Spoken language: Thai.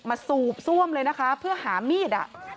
มาสูบซ่วมเลยเพื่อหามีด